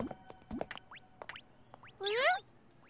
あれ？